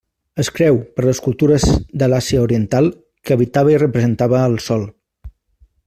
Es creu per les cultures de l'Àsia oriental que habitava i representava al Sol.